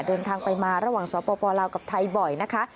เดินทางไปมาระหว่างสปลาวกับไทยบ่อยนะคะ